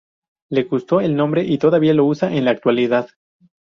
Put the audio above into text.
Le gustó el nombre y todavía lo usa en la actualidad.